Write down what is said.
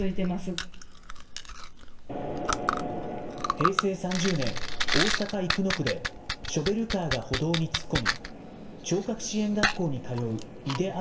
平成３０年、大阪・生野区で、ショベルカーが歩道に突っ込み、聴覚支援学校に通う井出安